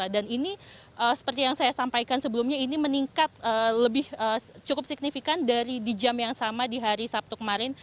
dan ini seperti yang saya sampaikan sebelumnya ini meningkat cukup signifikan dari di jam yang sama di hari sabtu kemarin